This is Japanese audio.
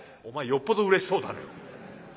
「お前よっぽどうれしそうだね。